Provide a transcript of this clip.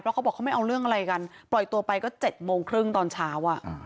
เขาบอกเขาไม่เอาเรื่องอะไรกันปล่อยตัวไปก็๗โมงครึ่งตอนเช้า